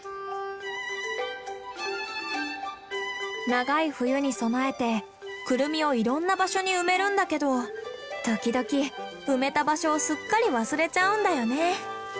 長い冬に備えてクルミをいろんな場所に埋めるんだけど時々埋めた場所をすっかり忘れちゃうんだよね。